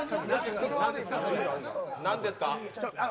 何ですか。